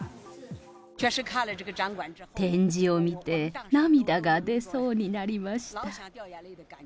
展示を見て、涙が出そうになりました。